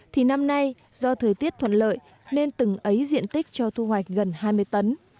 thì năm nay do thời tiết thuận lợi nên từng ấy diện tích cho thu hoạch gần hai mươi tấn